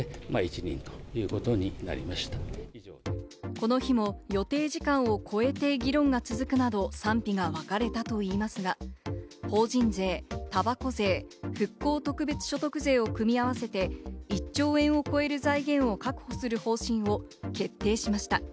この日も予定時間を超えて議論が続くなど賛否が分かれたといいますが、法人税、たばこ税、復興特別所得税を組み合わせて１兆円を超える財源を確保する方針を決定しました。